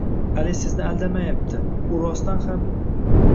Ali sizni aldamayapti, u rostdan ham